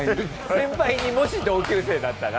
先輩にもし同級生だったら。